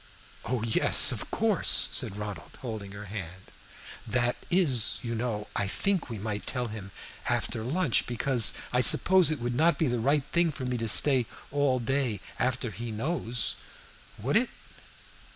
"Oh yes, of course," said Ronald, holding her hand. "That is, you know, I think we might tell him after lunch. Because I suppose it would not be the right thing for me to stay all day after he knows. Would it?"